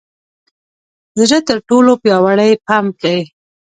زړه تر ټولو پیاوړې پمپ دی.